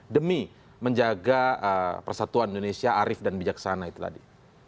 demi menjaga persatuan indonesia arif dan bijaksana itu tadi